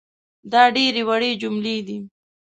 دا ډېرې وړې جملې دي